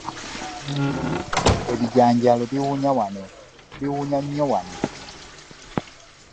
Ebijanjaalo nga biwunya nnyo wano.